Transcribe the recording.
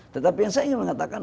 tetapi yang saya ingin mengatakan